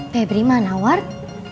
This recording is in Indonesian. pebri mana ward